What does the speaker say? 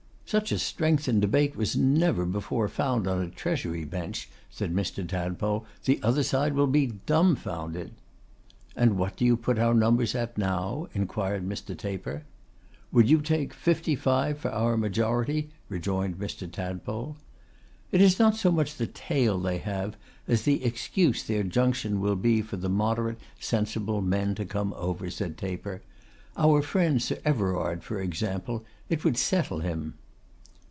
'Such a strength in debate was never before found on a Treasury bench,' said Mr. Tadpole; 'the other side will be dumbfounded.' 'And what do you put our numbers at now?' inquired Mr. Taper. 'Would you take fifty five for our majority?' rejoined Mr. Tadpole. 'It is not so much the tail they have, as the excuse their junction will be for the moderate, sensible men to come over,' said Taper. 'Our friend Sir Everard for example, it would settle him.